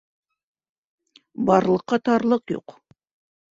Барлыҡҡа тарлыҡ юҡ.